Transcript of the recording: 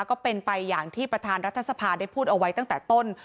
ก็เป็นไปอย่างที่ประธานรัฐสภาได้พูดเอาไว้ตั้งแต่ต้น